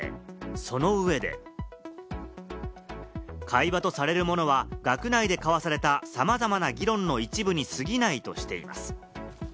その上で、会話とされるものは学内で交わされたさまざまな議論の一部に過ぎないとしています。